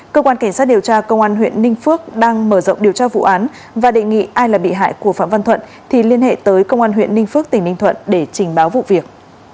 cơ quan cảnh sát điều tra công an huyện ninh phước đang mở rộng điều tra vụ án và đề nghị ai là bị hại của phạm văn thuận thì liên hệ tới công an huyện ninh phước tỉnh ninh thuận để trình báo vụ việc